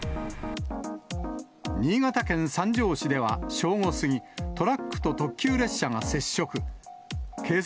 新潟県三条市では、正午過ぎ、トラックと特急列車が衝突。